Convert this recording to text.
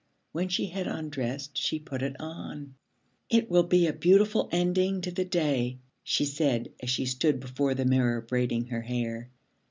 When she had undressed, she put it on. 'It will be a beautiful ending to the day,' she said, as she stood before the mirror braiding her hair.